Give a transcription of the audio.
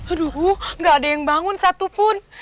aduhu gak ada yang bangun satupun